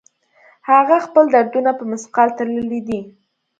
هغه خپل دردونه په مثقال تللي دي